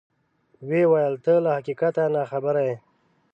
ویې ویل: ته له حقیقته ناخبره یې.